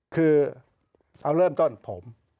คือเอาเริ่มต้นผม